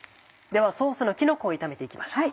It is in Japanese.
ではソースのきのこを炒めて行きましょう。